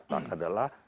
yang kita dapatkan adalah